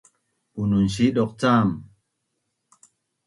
Bunun siduq cam